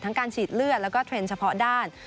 การฉีดเลือดแล้วก็เทรนด์เฉพาะด้าน